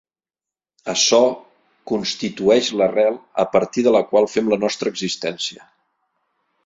Açò constitueix l'arrel a partir de la qual fem la nostra existència.